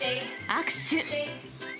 握手。